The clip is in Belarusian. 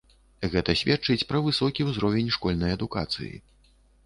Гэта сведчыць пра высокі ўзровень школьнай адукацыі.